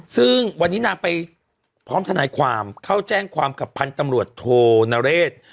ซึ่งวันนี้นางไปพร้อมทนายความเข้าแจ้งความกับพันธุ์ตำรวจโทนเรศ